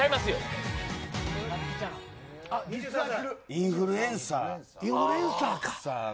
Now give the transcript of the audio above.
インフルエンサー。